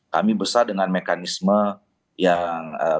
kami besar dengan mekanisme yang kami bangun